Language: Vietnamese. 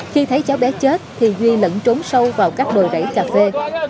khi thấy cháu bé chết thì duy lẫn trốn sâu vào các đồi rảy cà phê